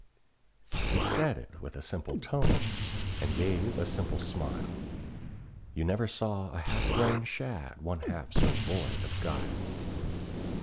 He said it with a simple tone, and gave a simple smile— You never saw a half grown shad one half so void of guile.